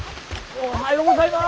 おはようございます。